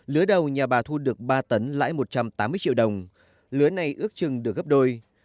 lứa đầu nhà bà thu được ba tấn lãi một trăm tám mươi triệu đồng lứa này ước chừng được gấp đôi